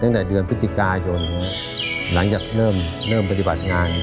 ตั้งแต่เดือนพฤศจิกายนหลังจากเริ่มปฏิบัติงาน